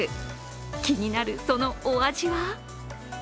気になる、そのお味は？